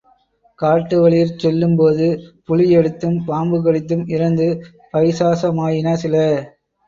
காட்டு வழியிற் செல்லும்போது புலியடித்தும், பாம்பு கடித்தும் இறந்து பைசாசமாயின சில.